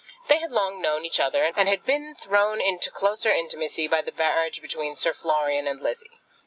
They had long known each other, and had been thrown into closer intimacy by the marriage between Sir Florian and Lizzie.